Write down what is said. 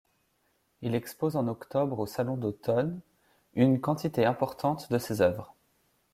Il expose en octobre au Salon d'automne une quantité importante de ses œuvres.